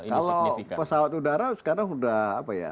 kalau pesawat udara sekarang udah